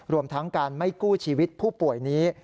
รวมทั้งการไม่กู้ชีวิตผู้ป่วยนี้